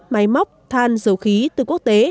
máy móc than dầu khí từ quốc tế